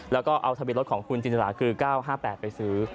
แล้วก็เอาทะเบียนรถของคุณจินตราคือ๙๕๘ไปซื้อ